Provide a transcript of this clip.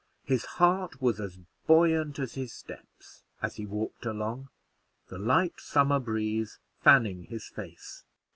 His heart was as buoyant as his steps, as he walked along, the light summer breeze fanning his face.